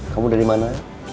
kamu dari mana